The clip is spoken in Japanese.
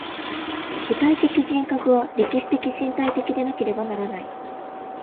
具体的人格は歴史的身体的でなければならない。